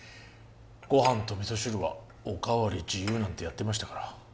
ご飯と味噌汁はおかわり自由なんてやってましたから